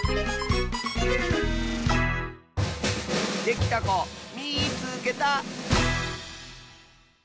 できたこみいつけた！